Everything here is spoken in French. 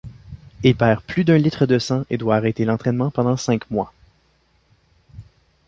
Il perd plus d'un litre de sang et doit arrêter l'entraînement pendant cinq mois.